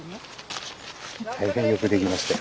大変よくできましたよ。